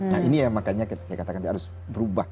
nah ini yang makanya saya katakan harus berubah